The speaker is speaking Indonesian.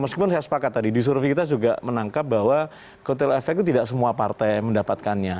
meskipun saya sepakat tadi di survei kita juga menangkap bahwa kotel efek itu tidak semua partai mendapatkannya